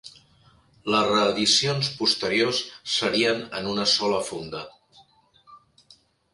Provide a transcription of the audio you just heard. Les reedicions posteriors serien en una sola funda.